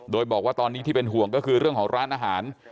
โดยบอกว่าตอนนี้ที่เป็นห่วงก็คือเรื่องของร้านอาหาร